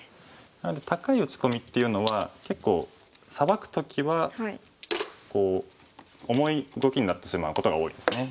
なので高い打ち込みっていうのは結構サバく時は重い動きになってしまうことが多いですね。